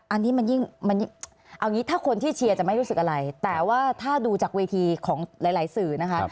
อันนี้มันยิ่งมันเอางี้ถ้าคนที่เชียร์จะไม่รู้สึกอะไรแต่ว่าถ้าดูจากเวทีของหลายสื่อนะคะ